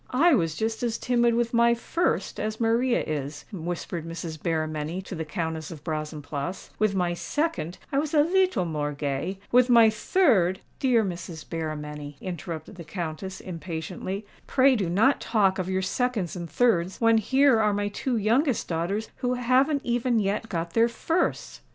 "I was just as timid with my first as Maria is," whispered Mrs. Berrymenny to the Countess of Brazenphace: "with my second I was a leetle more gay;—with my third——" "Dear Mrs. Berrymenny," interrupted the Countess, impatiently; "pray do not talk of your seconds and thirds, when here are my two youngest daughters who haven't even yet got their firsts."